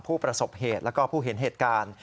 ผู้ประสบเหตุแล้วก็ผู้เห็นเหตุการณ์